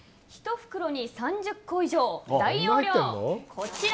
１袋に３０個以上、大容量。